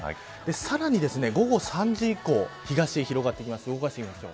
さらに午後３時以降東へ広がってきます。